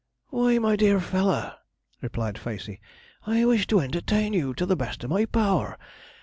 'Why, my dear feller,' replied Facey, 'I wished to entertain you the best in my power.